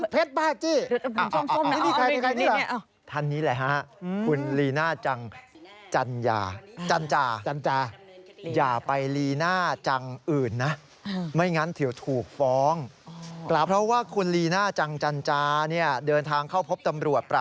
เพื่อนชายาของเนี่ยคุณผู้ชม